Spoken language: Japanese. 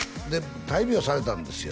大病されたんですよ